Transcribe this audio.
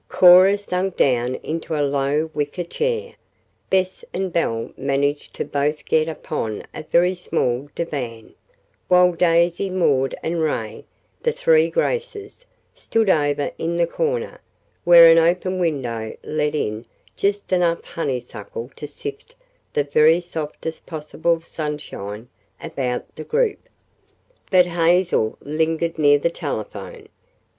Cora sank down into a low wicker chair. Bess and Belle managed to both get upon a very small divan, while Daisy, Maud and Ray, the "three graces," stood over in the corner, where an open window let in just enough honeysuckle to sift the very softest possible sunshine about the group. But Hazel lingered near the telephone.